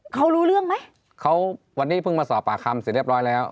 เขารู้เรื่องไหมเขาวันนี้เพิ่งมาสอบปากคำเสร็จเรียบร้อยแล้ว